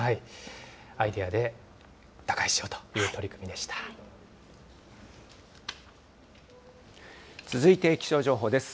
アイデアで打開しようという取り続いて気象情報です。